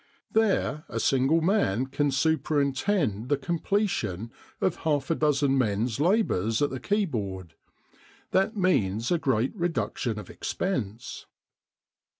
There a single man can superintend the completion of half a dozen men's labours at the keyboard. That means a great reduction of expense.